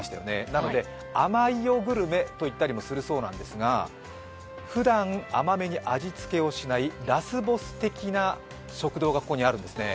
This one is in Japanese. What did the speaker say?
なのであまいよグルメと言ったりもするそうなんですがふだん、甘めに味付けをしないラスボス的な食堂がここにあるんですね。